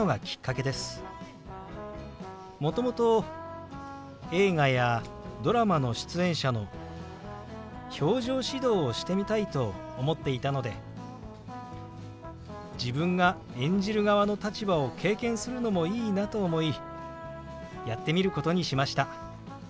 もともと映画やドラマの出演者の表情指導をしてみたいと思っていたので自分が演じる側の立場を経験するのもいいなと思いやってみることにしました。